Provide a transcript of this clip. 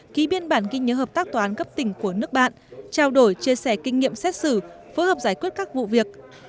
ký biên bản kinh nhớ hợp tác tòa án cấp tỉnh của nước bạn trao đổi chia sẻ kinh nghiệm xét xử phối hợp giải quyết các vụ việc